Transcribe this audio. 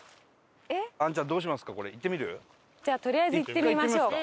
アンちゃんどうしますか？